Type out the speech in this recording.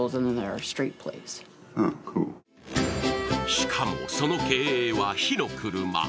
しかも、その経営は火の車。